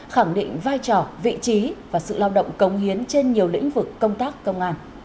khẳng định vai trò vị trí và sự lao động cống hiến trên nhiều lĩnh vực công tác công an